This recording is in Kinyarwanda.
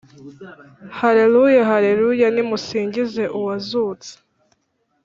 Haleluya, Haleluya, Nimusingiz’Uwazutse.